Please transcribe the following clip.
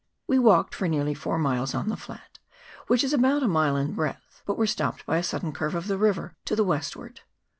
We walked for nearly four miles on the flat, which is about a mile in breadth, but were stopped by a sudden curve of the river to the westward.